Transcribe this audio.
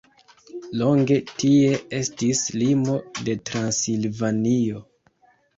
Longe tie estis limo de Transilvanio.